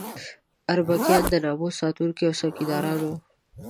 اربکیان د ناموس ساتونکي او څوکیداران وو.